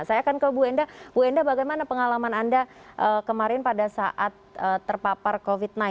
saya akan ke bu enda bu enda bagaimana pengalaman anda kemarin pada saat terpapar covid sembilan belas